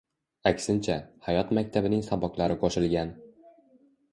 Aksincha, hayot maktabining saboqlari qo‘shilgan.